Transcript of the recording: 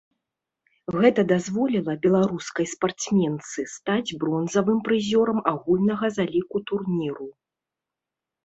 Гэта дазволіла беларускай спартсменцы стаць бронзавым прызёрам агульнага заліку турніру.